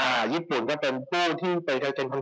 นะญี่ปุ่นก็เป็นผู้ที่เป็นผู้หรือไม่